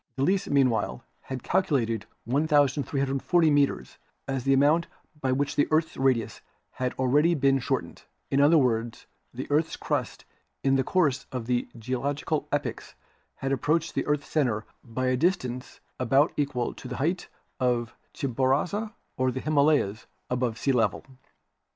Delesse meanwhile had calculated 1,340 meters as the amount by which the earth's radius had already been shortened; in other words, the earth's crust in the course of the geological epochs had approached the earth's center by a distance about equal to the height of Chimborazo or the Himalayas above sea level.